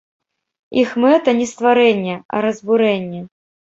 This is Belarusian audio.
Іх мэта не стварэнне, а разбурэнне.